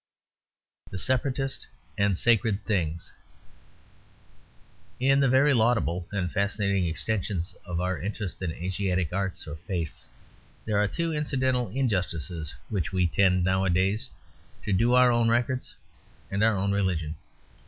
THE SEPARATIST AND SACRED THINGS In the very laudable and fascinating extensions of our interest in Asiatic arts or faiths, there are two incidental injustices which we tend nowadays to do to our own records and our own religion.